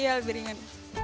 iya lebih ringan